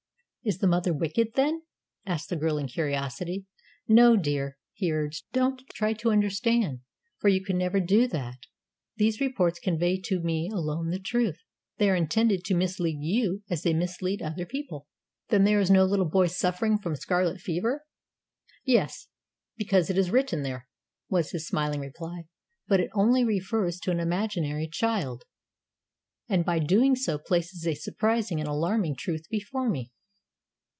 "Is the mother wicked, then?" asked the girl in curiosity. "No, dear," he urged. "Don't try to understand, for you can never do that. These reports convey to me alone the truth. They are intended to mislead you, as they mislead other people." "Then there is no little boy suffering from scarlet fever?" "Yes. Because it is written there," was his smiling reply. "But it only refers to an imaginary child, and, by so doing, places a surprising and alarming truth before me."